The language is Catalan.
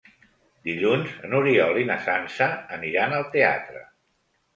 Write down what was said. Dilluns n'Oriol i na Sança aniran al teatre.